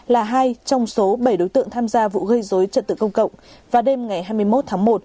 là hai trong số bảy đối tượng tham gia vụ gây dối trật tự công cộng vào đêm ngày hai mươi một tháng một